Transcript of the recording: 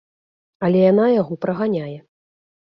Але яна яго праганяе.